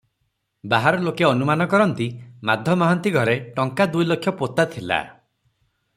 ବାହାର ଲୋକେ ଅନୁମାନ କରନ୍ତି, ମାଧ ମହାନ୍ତି ଘରେ ଟଙ୍କା ଦୁଇ ଲକ୍ଷ ପୋତା ଥିଲା ।